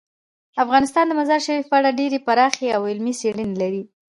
افغانستان د مزارشریف په اړه ډیرې پراخې او علمي څېړنې لري.